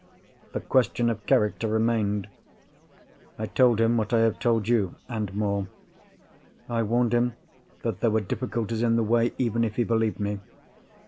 The question of character remained. I told him what I have told you—and more. I warned him that there were difficulties in the way, even if he believed me.